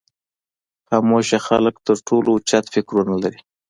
خاموشه خلک تر ټولو اوچت فکرونه لري.